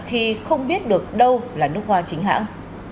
khi không biết được đâu là nước hoa chính hãng